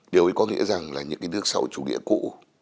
điều ấy có nghĩa rằng là những cái nước sau chủ nghĩa cũ